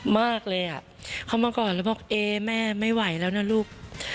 มากเลยอ่ะเข้ามาก่อนแล้วบอกเอ๊แม่ไม่ไหวแล้วนะลูก